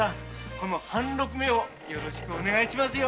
この半六めをよろしくお願いしますよ。